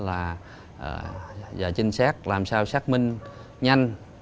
làm sao là chính xác làm sao xác minh nhanh